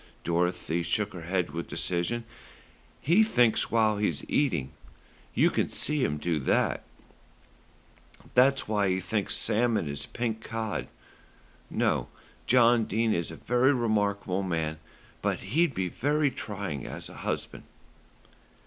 Dorothy shook her head with decision. "He thinks while he's eating. You can see him do it. That's why he thinks salmon is pink cod. No; John Dene is a very remarkable man; but he'd be very trying as a husband."